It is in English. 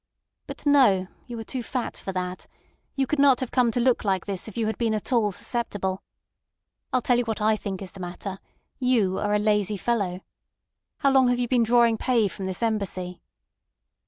"But no! You are too fat for that. You could not have come to look like this if you had been at all susceptible. I'll tell you what I think is the matter: you are a lazy fellow. How long have you been drawing pay from this Embassy?"